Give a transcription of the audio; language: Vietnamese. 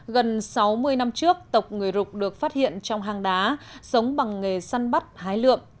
gần sáu mươi năm trước tộc người rục được phát hiện trong hang đá sống bằng nghề săn bắt hái lượm